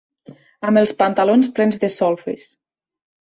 Amb els pantalons plens de solfes.